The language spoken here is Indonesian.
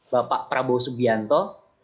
bapak prabowo subianto